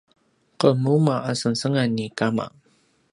qemuma a sengsengan ni kama